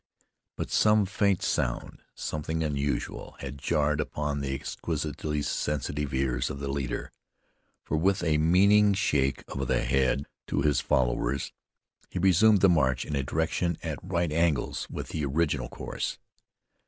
But some faint sound, something unusual had jarred upon the exquisitely sensitive ears of the leader, for with a meaning shake of the head to his followers, he resumed the march in a direction at right angles with the original course.